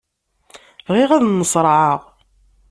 Bɣiɣ ad nneṣraɛeɣ.